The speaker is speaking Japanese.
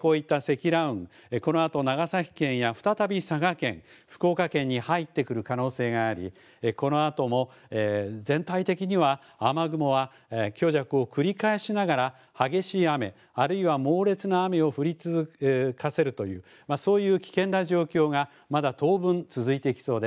こういった積乱雲、このあと長崎県や再び佐賀県、福岡県に入ってくる可能性があり、このあとも全体的には、雨雲は強弱を繰り返しながら激しい雨、あるいは猛烈な雨を降り続かせるという、そういう危険な状況がまだ当分、続いていきそうです。